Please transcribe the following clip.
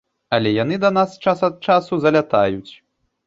Але яны да нас час ад часу залятаюць.